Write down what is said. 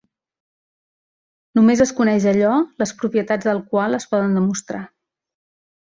Només es coneix allò les propietats del qual es poden demostrar.